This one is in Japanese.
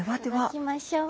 頂きましょう。